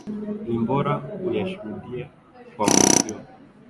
Ni bora uyashuhudie kwa mwenzio.